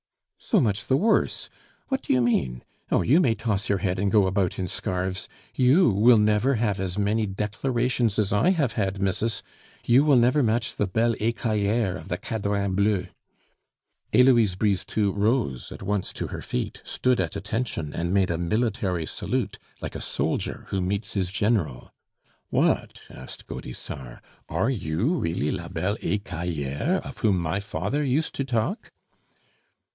"So much the worse! What do you mean? Oh, you may toss your head and go about in scarves, you will never have as many declarations as I have had, missus. You will never match the Belle Ecaillere of the Cadran Bleu." Heloise Brisetout rose at once to her feet, stood at attention, and made a military salute, like a soldier who meets his general. "What?" asked Gaudissart, "are you really La Belle Ecaillere of whom my father used to talk?"